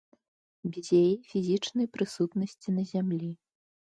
Без яе фізічнай прысутнасці на зямлі.